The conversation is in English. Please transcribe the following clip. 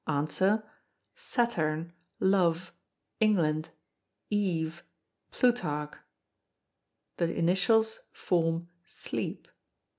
Answer _S_aturn; _L_ove; _E_ngland; _E_ve; _P_lutarch. The initials form _sleep.